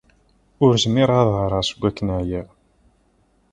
Ur zmireɣ ad ɣreɣ seg akken ɛyiɣ.